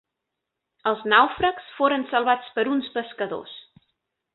Els nàufrags foren salvats per uns pescadors.